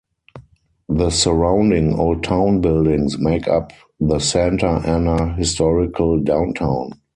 The surrounding old town buildings make up the Santa Ana Historical Downtown.